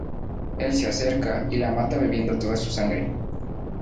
Él se acerca y la mata bebiendo toda su sangre.